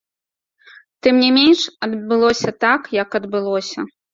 Тым не менш, адбылося так, як адбылося.